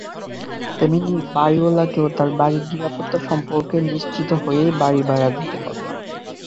তেমনি বাড়িওয়ালাকেও তাঁর বাড়ির নিরাপত্তা সম্পর্কে নিশ্চিত হয়েই বাড়িভাড়া দিতে হবে।